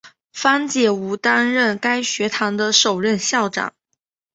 方解吾担任该学堂的首任校长。